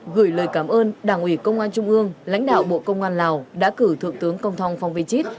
gửi lời cảm ơn đảng ủy công an trung ương lãnh đạo bộ công an lào đã cử thượng tướng công thong phong vi chít